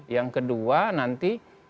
yang kedua nanti